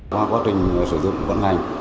qua quá trình sử dụng vận hành